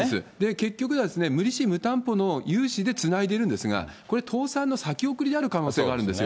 結局は無利子無担保の融資でつないでいるんですが、これ倒産の先送りである可能性があるんですよ。